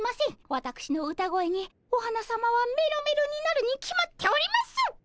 わたくしの歌声にお花さまはメロメロになるに決まっております！